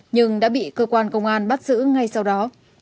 nhưng đã bị cơ quan công an bắt giữ ngay sau đó